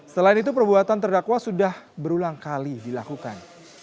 selain itu perbuatan terdakwa sudah berulang kali dilakukan